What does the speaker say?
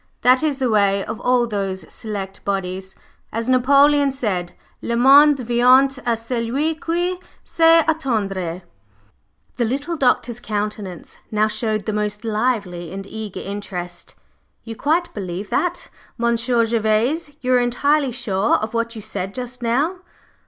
That is the way of all those 'select' bodies. As Napoleon said, 'Le monde vient a celui qui sait attendre.'" The little Doctor's countenance now showed the most lively and eager interest. "You quite believe that, Monsieur Gervase? You are entirely sure of what you said just now?"